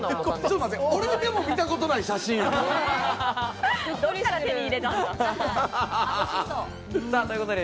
俺でも見たことない写真やで。